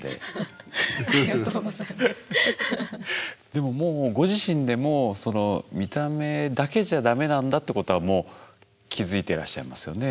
でももうご自身でもその見た目だけじゃダメなんだってことはもう気付いてらっしゃいますよね